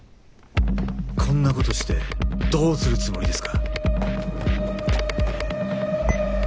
こんなことしてどうするつもりですか？